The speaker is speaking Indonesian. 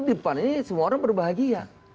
di depan ini semua orang berbahagia